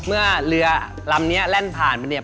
เมื่อเรือลำนี้แล่นผ่านมาเนี่ย